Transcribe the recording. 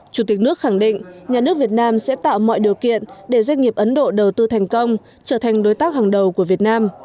chủ tịch nước khẳng định nhà nước việt nam sẽ tạo mọi điều kiện để doanh nghiệp ấn độ đầu tư thành công trở thành đối tác hàng đầu của việt nam